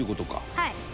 はい。